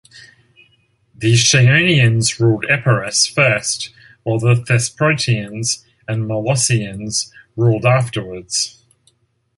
The Chaonians ruled Epirus first while the Thesprotians and Molossians ruled afterwards.